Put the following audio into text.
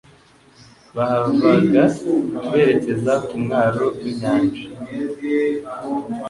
Bahavaga berekeza ku mwaro w'inyanja,